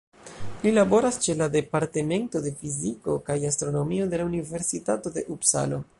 Li laboras ĉe la Departemento de Fiziko kaj Astronomio de la Universitato de Upsalo.